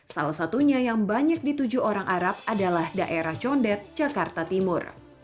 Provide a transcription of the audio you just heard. salah satunya yang banyak dituju orang arab adalah daerah condet jakarta timur